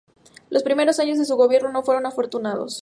Los primeros años de su gobierno no fueron afortunados.